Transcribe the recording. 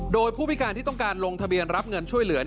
โดยผู้พิการที่ต้องการลงทะเบียนรับเงินช่วยเหลือ